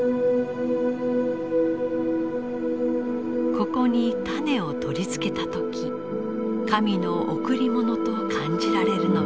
ここに種を取り付けた時神の贈り物と感じられるのか。